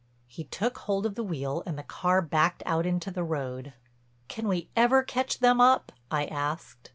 He took hold of the wheel and the car backed out into the road. "Can we ever catch them up?" I asked.